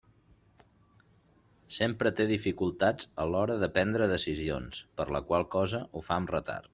Sempre té dificultats a l'hora de prendre decisions, per la qual cosa ho fa amb retard.